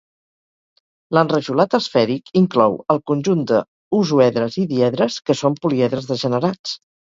L'enrajolat esfèric inclou el conjunt de hosoedres i diedres, que són poliedres degenerats.